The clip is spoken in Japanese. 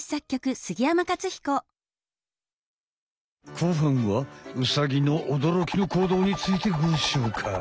後半はウサギの驚きの行動についてごしょうかい。